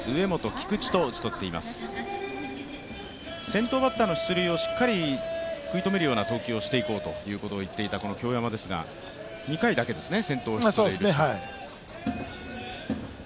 先頭バッターの出塁をしっかりくい止めるような投球をしていこうということを言っていたこの京山ですが、２回だけですね。